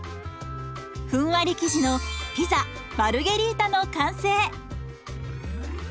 ふんわり生地のピザ・マルゲリータの完成。